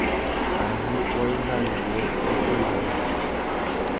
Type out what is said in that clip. Ari wá ingānamú, wá tà mà riya.